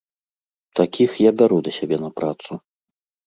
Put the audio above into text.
Такіх я бяру да сябе на працу.